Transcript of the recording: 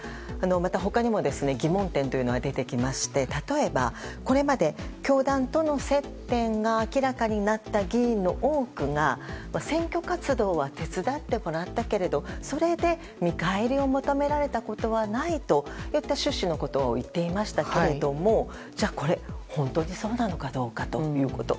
他にも疑問点というのは出てきまして例えば、これまで教団との接点が明らかになった議員の多くが選挙活動は手伝ってもらったけどもそれで見返りを求められたことはないといった趣旨のことを言っていましたけれどもじゃあ、これ本当にそうなのかどうかということ。